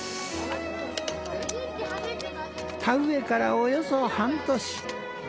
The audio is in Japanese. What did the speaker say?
田植えからおよそ半年。